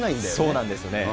そうなんですね。